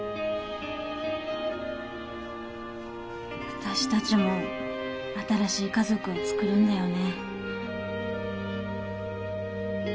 私たちも新しい家族をつくるんだよね。